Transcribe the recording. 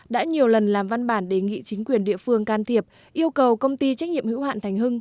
đã nhiều lần làm văn bản đề nghị chính quyền địa phương can thiệp yêu cầu công ty trách nhiệm hữu hạn thành hưng